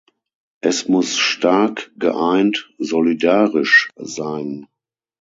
Es muss stark, geeint, solidarisch sein.